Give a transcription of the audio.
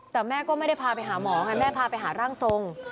แต่แม่ก็ไม่ได้พาไปหาหมอไงแม่พาไปหาร่างทรง